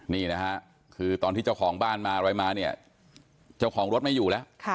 นี่นะฮะคือตอนที่เจ้าของบ้านมาอะไรมาเนี่ยเจ้าของรถไม่อยู่แล้ว